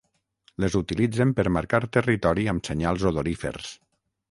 Les utilitzen per marcar territori amb senyals odorífers.